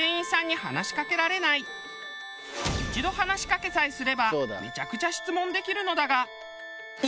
一度話しかけさえすればめちゃくちゃ質問できるのだが。